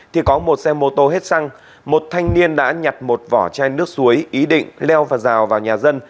thì có một xe mô tô hết xăng một thanh niên đã nhặt một vỏ chai nước suối ý định leo và rào vào nhà dân